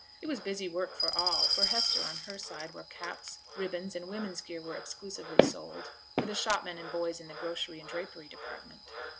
It was busy work for all for Hester on her side, where caps, ribbons, and women's gear were exclusively sold for the shopmen and boys in the grocery and drapery department.